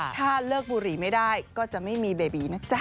ถ้าเลิกบุหรี่ไม่ได้ก็จะไม่มีเบบีนะจ๊ะ